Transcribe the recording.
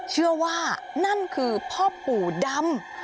เชื่อว่านั่นคือพ่อปู่ดำ